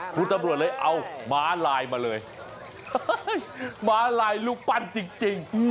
คุณตำรวจเลยเอาม้าลายมาเลยม้าลายรูปปั้นจริง